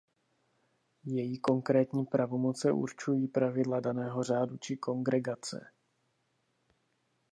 Její konkrétní pravomoce určují pravidla daného řádu či kongregace.